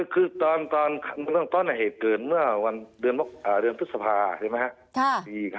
ก็คือตอนเหตุเกิดเมื่อเดือนพฤษภาที่๕๙